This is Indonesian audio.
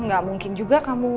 gak mungkin juga kamu